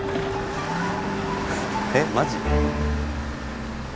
えッマジ？